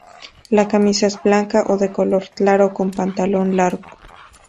La camisa es blanca o de color claro, con pantalón largo.